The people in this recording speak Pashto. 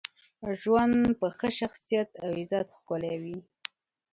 ژوند په ښه شخصیت او عزت ښکلی وي.